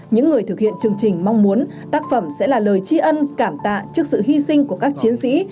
những người thực hiện chương trình mong muốn tác phẩm sẽ là lời tri ân cảm tạ trước sự hy sinh của các chiến sĩ